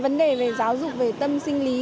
vấn đề về giáo dục về tâm sinh lý